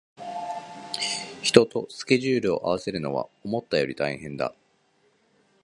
人とスケジュールを合わせるのは思ったより大変だ